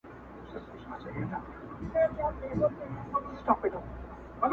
لاره که وه خو بې زندانه او بې داره نه وه